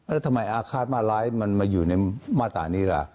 แล้วทำไมอาฆาตมาร้ายมันมาอยู่ในมาตรานี้ล่ะ